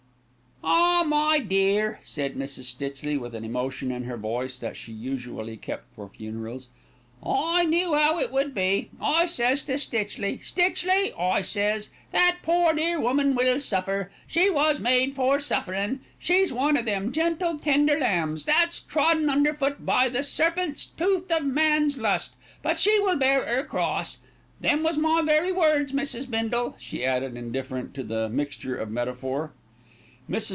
"Ah! my dear," said Mrs. Stitchley, with an emotion in her voice that she usually kept for funerals, "I knew 'ow it would be. I says to Stitchley, 'Stitchley,' I says, 'that poor, dear woman will suffer. She was made for sufferin'. She's one of them gentle, tender lambs, that's trodden underfoot by the serpent's tooth of man's lust; but she will bear 'er cross.' Them was my very words, Mrs. Bindle," she added, indifferent to the mixture of metaphor. Mrs.